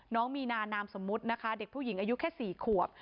น้องมีนานามสมมุตินะคะเด็กผู้หญิงอายุแค่๔ขวบ